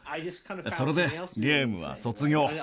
それでゲームは卒業。